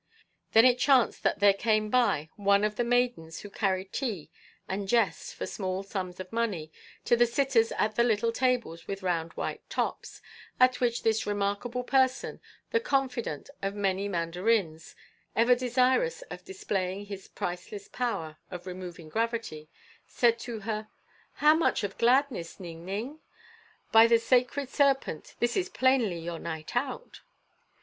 Then it chanced that there came by one of the maidens who carry tea and jest for small sums of money to the sitters at the little tables with round white tops, at which this remarkable person, the confidant of many mandarins, ever desirous of displaying his priceless power of removing gravity, said to her: "'How much of gladness, Ning Ning? By the Sacred Serpent this is plainly your night out.